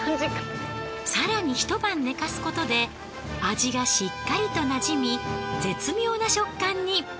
更に一晩寝かすことで味がしっかりとなじみ絶妙な食感に！